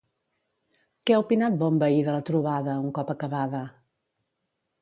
Què ha opinat Bonvehí de la trobada, un cop acabada?